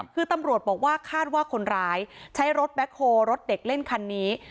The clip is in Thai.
คือตำรวจบอกว่าคาดว่าคนร้ายใช้รถแบ็คโฮรถเด็กเล่นคันนี้